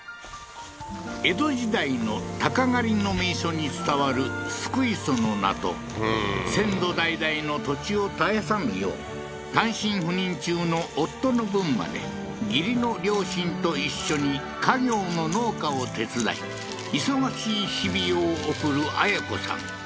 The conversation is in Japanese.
江戸時代のたか狩りの名所に伝わる漉磯の名と先祖代々の土地を絶やさぬよう単身赴任中の夫の分まで義理の両親と一緒に家業の農家を手伝い忙しい日々を送る綾子さん